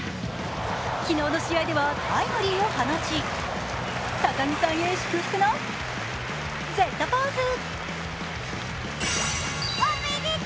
昨日の試合ではタイムリーを放ち、高城さんへ祝福のＺポーズ。